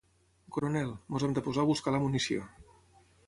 Coronel, ens hem de posar a buscar la munició.